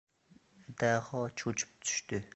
Daho cho‘chib tushdi.